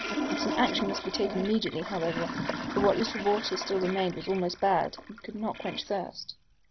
Some action must be taken immediately, however; for what little water still remained was almost bad, and could not quench thirst.